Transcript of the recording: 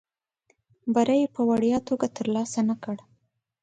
بری یې په وړیا توګه ترلاسه نه کړ.